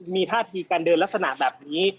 มีท่าทีการเดินลักษณะแบบนี้